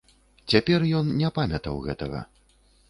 Цяпер ён не памятаў гэтага.